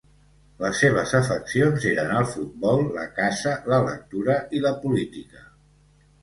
Les seves afeccions eren el futbol, la caça, la lectura i la política.